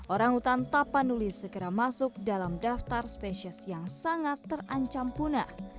orangutan tapanuli segera masuk dalam daftar spesies yang sangat terancam punah